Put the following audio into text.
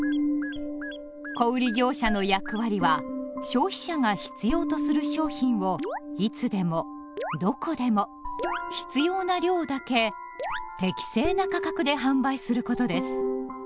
小売業者の役割は消費者が必要とする商品をいつでもどこでも必要な量だけ適正な価格で販売することです。